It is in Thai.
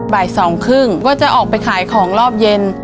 บ่าย๒๓๐ก็จะออกไปขายของรอบเย็น